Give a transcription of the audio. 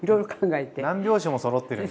何拍子もそろってるんですね。